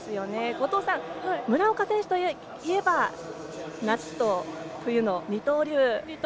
後藤さん、村岡選手といえば夏と冬の二刀流。